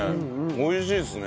美味しいっすね。